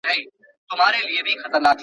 زه مخکي اوبه پاکې کړې وې!